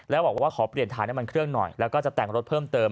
แล้วบอกว่าขอเปลี่ยนฐานน้ำมันเครื่องหน่อยแล้วก็จะแต่งรถเพิ่มเติม